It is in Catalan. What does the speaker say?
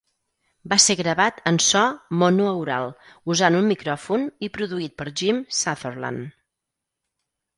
Va ser gravat en so monoaural usant un micròfon i produït per Jim Sutherland.